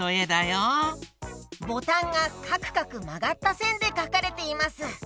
ボタンがかくかくまがったせんでかかれています。